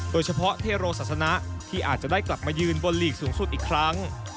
โดยเฉพาะเทโรศาสนะที่อาจจะได้กลับมายืนบนหลีกสูงสุดอีกครั้ง